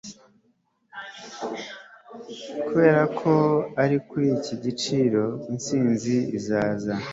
Kubera ko ari kuri iki giciro intsinzi izaza